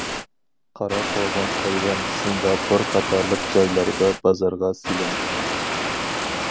قارا قوغۇن تەيۋەن، سىنگاپور قاتارلىق جايلاردا بازارغا سېلىنغان.